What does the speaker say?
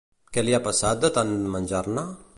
Què li ha passat de tant menjar-ne?